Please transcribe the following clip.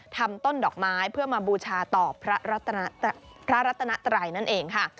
ต้นดอกไม้เพื่อมาบูชาต่อพระรัตนไตรนั่นเองค่ะ